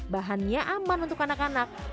bahannya aman untuk anak anak